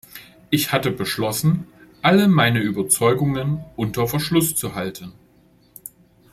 Ich hatte beschlossen, alle meine Überzeugungen unter Verschluss zu halten.